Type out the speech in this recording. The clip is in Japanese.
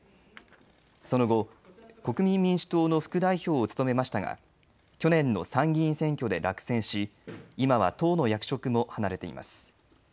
その後、国民民主党の副代表を務めましたが去年の参議院選挙で落選し今は党の役職も離れています。